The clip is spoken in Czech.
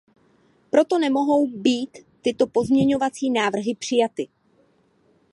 Proto nemohou být tyto pozměňovací návrhy přijaty.